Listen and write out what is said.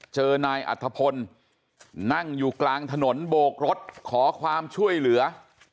เจอนายอัธพลนั่งอยู่กลางถนนโบกรถขอความช่วยเหลือ